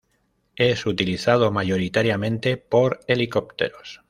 Es utilizado mayoritariamente por helicópteros.